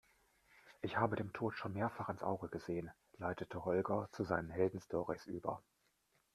Ich habe dem Tod schon mehrfach ins Auge gesehen, leitete Holger zu seinen Heldenstorys über.